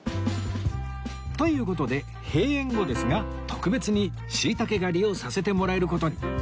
という事で閉園後ですが特別にしいたけ狩りをさせてもらえる事に！